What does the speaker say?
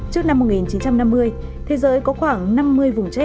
trước năm một nghìn chín trăm năm mươi